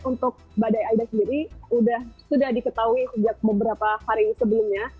untuk badai aida sendiri sudah diketahui sejak beberapa hari sebelumnya